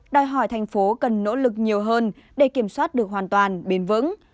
đòi hỏi thành phố cần nỗ lực nhiều hơn để kiểm soát được hoàn toàn bền vững